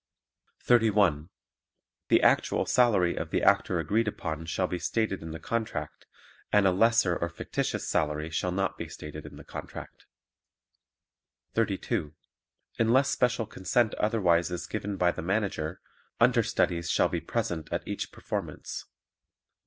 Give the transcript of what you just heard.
31. The actual salary of the Actor agreed upon shall be stated in the contract and a lesser or fictitious salary shall not be stated in the contract. 32. Unless special consent otherwise is given by the Manager, understudies shall be present at each performance.